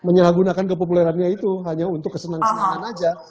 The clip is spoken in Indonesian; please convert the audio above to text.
menjalah gunakan kepopulerannya itu hanya untuk kesenangan kesenangan aja